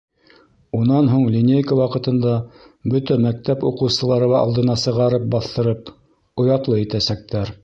Унан һуң линейка ваҡытында бөтә мәктәп уҡыусылары алдына сығарып баҫтырып, оятлы итәсәктәр.